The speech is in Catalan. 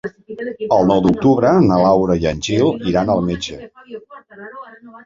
El nou d'octubre na Laura i en Gil iran al metge.